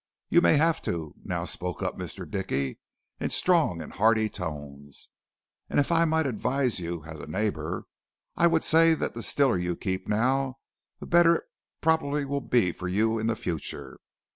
"'You may have to,' now spoke up Mr. Dickey in strong and hearty tones; 'and if I might advise you as a neighbor, I would say that the stiller you keep now the better it probably will be for you in the future.